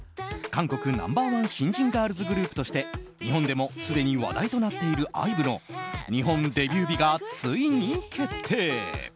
韓国ナンバー１新人ガールズグループとして日本でもすでに話題となっているＩＶＥの日本デビュー日がついに決定！